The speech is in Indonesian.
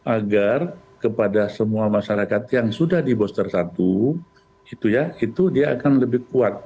agar kepada semua masyarakat yang sudah di booster satu itu dia akan lebih kuat